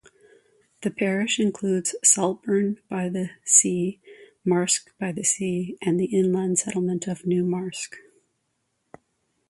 The parish includes Saltburn-by-the-Sea, Marske-by-the-Sea and the inland settlement of New Marske.